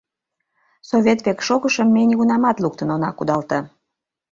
Совет век шогышым ме нигунамат луктын она кудалте.